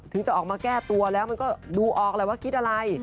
จะออกมาแก้ตัวแล้วมันก็ดูออกแหละว่าคิดอะไร